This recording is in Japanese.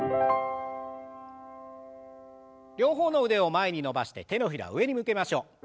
両方の腕を前に伸ばして手のひらを上に向けましょう。